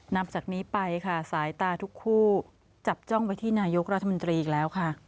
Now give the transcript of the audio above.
นับจากนี้ไปค่ะสายตาทุกคู่จับจ้องไปที่นายกรัฐมนตรีอีกแล้วค่ะ